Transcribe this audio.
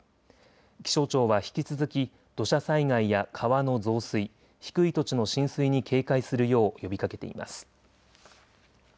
気象庁は引き続き土砂災害や川の増水、低い土地の浸水に警戒するよう呼びかけています。